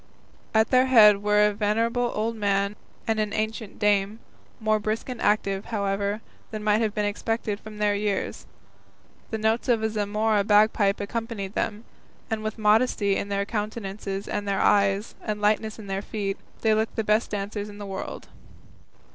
At their head were a venerable old man and an ancient dame, more brisk and active, however, than might have been expected from their years. The notes of a Zamora bagpipe accompanied them, and with modesty in their countenances and in their eyes, and lightness in their feet, they looked the best dancers in the world.